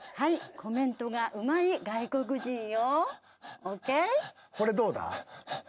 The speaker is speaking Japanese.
コメントがうまい人よ。